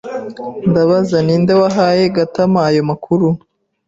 Ndabaza ninde wahaye Gatama ayo makuru.